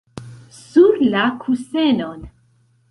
Sur la kusenon!